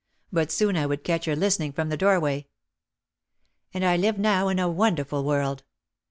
But soon I would catch her listening from the doorway. And I lived now in a wonderful world.